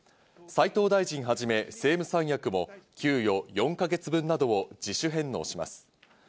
斉藤大臣はじめ政務三役も給与４か月分などを自主返納します。